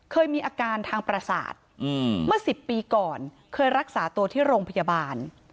เคยมีอาการทางประสาทเมื่อ๑๐ปีก่อนเคยรักษาตัวที่โรงพยาบาล